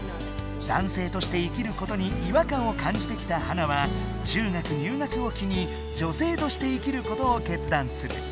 だんせいとして生きることにいわかんを感じてきたハナは中学入学をきにじょせいとして生きることをけつだんする。